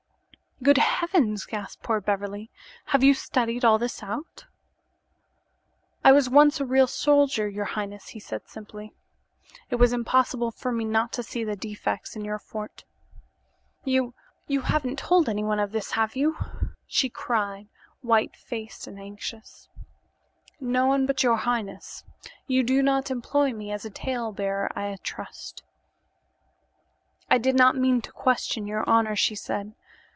"Good heavens!" gasped poor Beverly. "Have you studied all this out?" "I was once a real soldier, your highness," he said, simply. "It was impossible for me not to see the defects in your fort." "You you haven't told anyone of this, have you?" she cried, white faced and anxious. "No one but your highness. You do not employ me as a tale bearer, I trust." "I did not mean to question your honor," she said.